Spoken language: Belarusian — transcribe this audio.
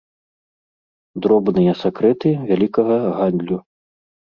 Дробныя сакрэты вялікага гандлю.